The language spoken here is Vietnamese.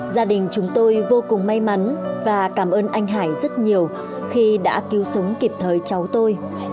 gia đình chúng tôi vô cùng may mắn và cảm ơn anh hải rất nhiều khi đã cứu sống kịp thời cháu tôi